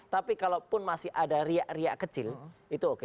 tapi kalaupun masih ada riak riak kecil itu oke